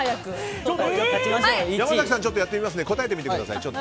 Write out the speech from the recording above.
山崎さんやってみますから答えてみてください。